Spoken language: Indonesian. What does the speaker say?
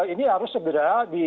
ini harus segera